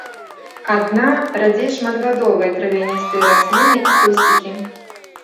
Адна-, радзей шматгадовыя травяністыя расліны і кусцікі.